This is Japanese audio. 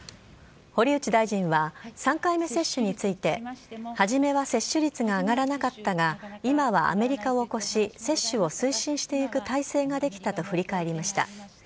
堀内大臣は３回目接種について、初めは接種率が上がらなかったが、今はアメリカを超し、接種を推進していく体制が出来たと振り返りました。